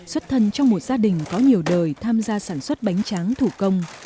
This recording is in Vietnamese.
xuất thân trong một gia đình có nhiều đời tham gia sản xuất bánh tráng thủ công